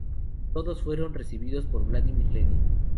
Todos fueron recibidos por Vladimir Lenin.